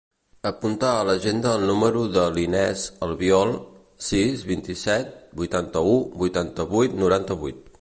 Apunta a l'agenda el número de l'Inès Albiol: sis, vint-i-set, vuitanta-u, vuitanta-vuit, noranta-vuit.